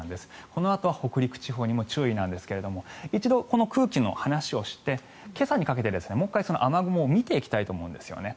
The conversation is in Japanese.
このあとは北陸地方にも注意なんですが一度、この空気の話をして今朝にかけて、もう１回雨雲を見ていきたいんですね。